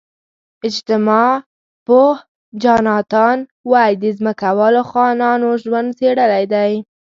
اجتماع پوه جاناتان وی د ځمکوالو خانانو ژوند څېړلی دی.